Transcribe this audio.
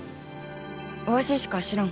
わししか知らん。